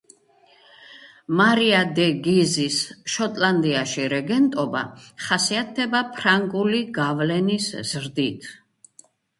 მარია დე გიზის შოტლანდიაში რეგენტობა ხასიათდება ფრანგული გავლენის ზრდით.